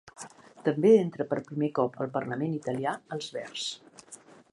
També entra per primer cop al Parlament italià els Verds.